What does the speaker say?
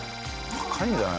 高いんじゃない？